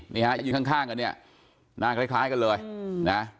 นี่ฮะยืนข้างกันเนี่ยหน้าคล้ายกันเลยนะ